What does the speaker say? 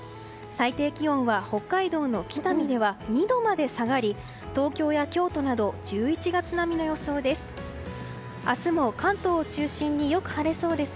最低気温は北海道の北見では２度まで下がり東京や京都など１１月並みの予想です。